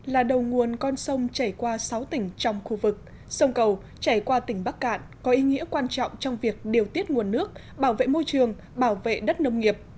là đầu nguồn con sông chảy qua sáu tỉnh trong khu vực sông cầu chảy qua tỉnh bắc cạn có ý nghĩa quan trọng trong việc điều tiết nguồn nước bảo vệ môi trường bảo vệ đất nông nghiệp